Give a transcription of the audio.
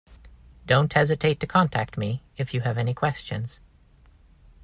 Don't hesitate to contact me if you have any questions.